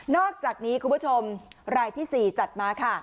อกจากนี้คุณผู้ชมรายที่๔จัดมาค่ะ